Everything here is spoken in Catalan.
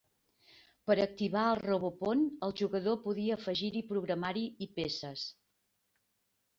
Per activar el Robopon, el jugador podria afegir-hi programari i peces.